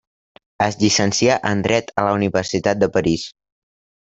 Es llicencià en dret a la Universitat de París.